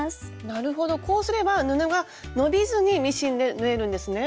なるほどこうすれば布が伸びずにミシンで縫えるんですね。